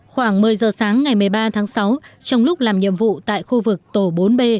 khoảng một mươi giờ sáng ngày một mươi ba tháng sáu trong lúc làm nhiệm vụ tại khu vực tổ bốn b